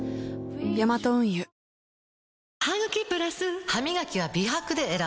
ヤマト運輸ハミガキは美白で選ぶ！